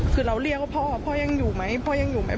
คือเราเรียกว่าพ่อพ่อยังอยู่ไหมพ่อยังอยู่ไหม